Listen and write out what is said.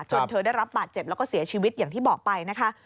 เธอได้รับบาดเจ็บแล้วก็เสียชีวิตอย่างที่บอกไปนะคะ